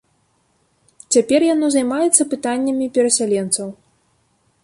Цяпер яно займаецца пытаннямі перасяленцаў.